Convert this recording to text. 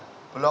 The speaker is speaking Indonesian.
tidak ada ya